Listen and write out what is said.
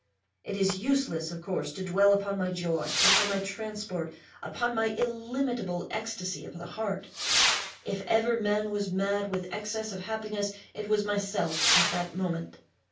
It is useless, of course, to dwell upon my joy—upon my transport—upon my illimitable ecstasy of heart. If ever man was mad with excess of happiness, it was myself at that moment.